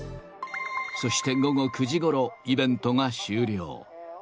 そして午後９時ごろ、イベントが終了。